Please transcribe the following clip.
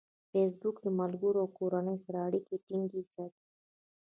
فېسبوک د ملګرو او کورنۍ سره اړیکې ټینګې ساتي.